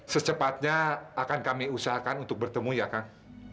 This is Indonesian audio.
secepatnya akan kami usahakan untuk bertemu ya kang